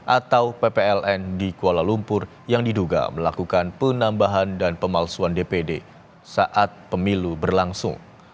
atau ppln di kuala lumpur yang diduga melakukan penambahan dan pemalsuan dpd saat pemilu berlangsung